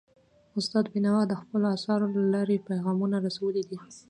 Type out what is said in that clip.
استاد بینوا د خپلو اثارو له لارې پیغامونه رسولي دي.